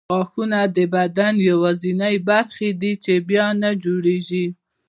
غاښونه د بدن یوازیني برخې دي چې بیا نه جوړېږي.